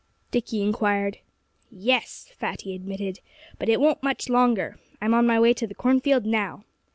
Dickie inquired. "Yes!" Fatty admitted. "But it won't much longer. I'm on my way to the cornfield now."